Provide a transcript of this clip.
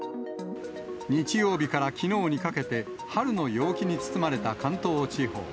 日曜日からきのうにかけて、春の陽気に包まれた関東地方。